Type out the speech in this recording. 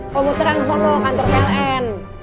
komuteran sono kantor pln